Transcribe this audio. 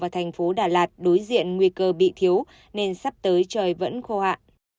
và thành phố đà lạt đối diện nguy cơ bị thiếu nên sắp tới trời vẫn khô hạn